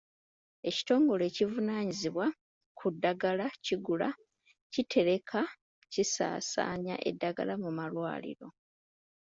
Ekitongole ekivunaanyizibwa ku ddagala kigula, kitereka kisaasaanya eddagala mu malwaliro.